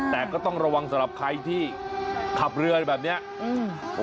แต่ก็ต้องระวังสำหรับใครที่ขับเรือแบบเนี้ยอืม